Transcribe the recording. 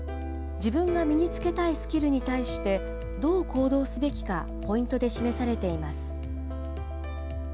自分が身につけたいスキルに対してどう行動すべきかポイントで示されています。